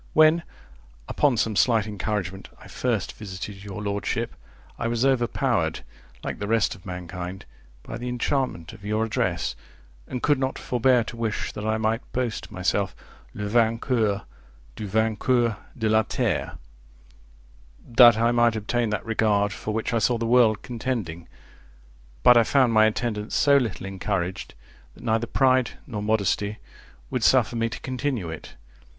When, upon some slight encouragement, I first visited your lordship, I was overpowered, like the rest of mankind, by the enchantment of your address, and could not forbear to wish that I might boast myself Le vainqueur du vainqueur de la terre; —that I might obtain that regard for which I saw the world contending; but I found my attendance so little encouraged, that neither pride nor modesty would suffer me to continue it.